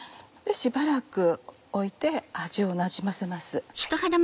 しばらく置いて味をなじませます。